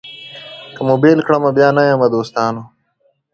که مو بېل کړمه بیا نه یمه دوستانو